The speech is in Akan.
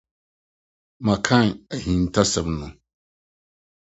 Makan ahintasɛm no.